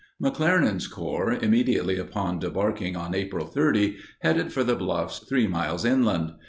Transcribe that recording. McClernand's Corps, immediately upon debarking on April 30, headed for the bluffs 3 miles inland.